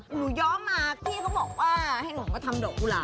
ย้อมมาพี่เขาบอกว่าให้หนูมาทำดอกกุหลา